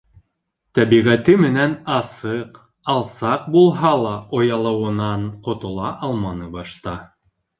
Тәбиғәте менән асыҡ, алсаҡ булһа ла, оялыуынан ҡотола алманы башта.